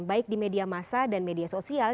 baik di media masa dan media sosial